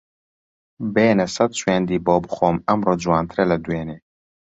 بێنە سەد سوێندی بۆ بخۆم ئەمڕۆ جوانترە لە دوێنێ